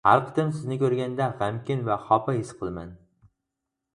ھەر قېتىم سىزنى كۆرگەندە غەمكىن ۋە خاپا ھېس قىلىمەن.